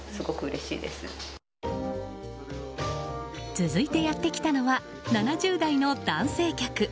続いてやってきたのは７０代の男性客。